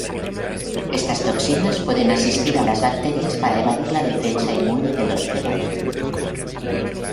Estas toxinas pueden asistir a las bacterias para evadir la defensa inmune del hospedador.